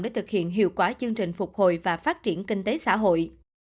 để thực hiện hiệu quả chương trình phục hồi và phát triển kinh tế xã hội